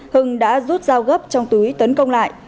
hưng đã rút dao gấp trong túi tấn công lại